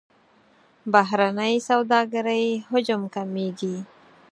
بهرنۍ سوداګرۍ حجم کمیږي.